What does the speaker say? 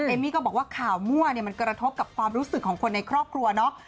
มี่ก็บอกว่าข่าวมั่วเนี่ยมันกระทบกับความรู้สึกของคนในครอบครัวเนาะ